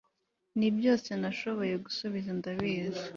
Nibyose nashoboye gusubiza Ndabizi